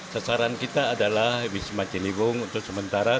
sasaran kita adalah wisma ciliwung untuk sementara